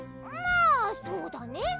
まあそうだね。